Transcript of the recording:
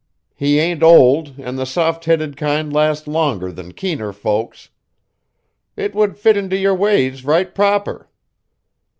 He ain't old an' the soft headed kind last longer than keener folks: it would fit int' your ways right proper.